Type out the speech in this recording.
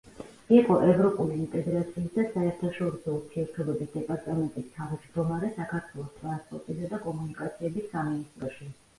იყო ევროპული ინტეგრაციის და საერთაშორისო ურთიერთობების დეპარტამენტის თავმჯდომარე საქართველოს ტრანსპორტისა და კომუნიკაციების სამინისტროში.